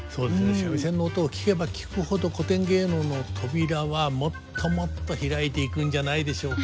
三味線の音を聴けば聴くほど古典芸能の扉はもっともっと開いていくんじゃないでしょうか。